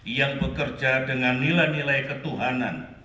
yang bekerja dengan nilai nilai ketuhanan